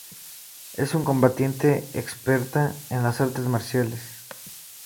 Es una combatiente experta en las artes marciales.